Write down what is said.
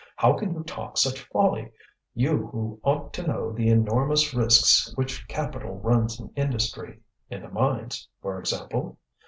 How can you talk such folly, you who ought to know the enormous risks which capital runs in industry in the mines, for example?